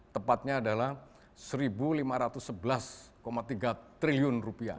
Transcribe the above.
tepatnya adalah rp satu lima ratus sebelas tiga triliun